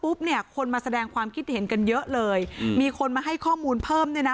เนี่ยคนมาแสดงความคิดเห็นกันเยอะเลยมีคนมาให้ข้อมูลเพิ่มด้วยนะ